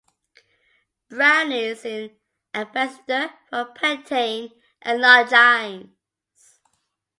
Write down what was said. Brown is an ambassador for Pantene and Longines.